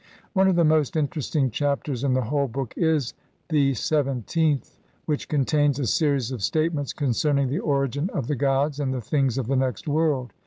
One of the most interesting Chapters in the whole book is the XVII th, which contains a series of state ments concerning the origin of the gods and the things of the next world.